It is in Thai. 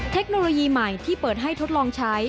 เทคโนโลยีใหม่ที่เปิดให้ทดลองใช้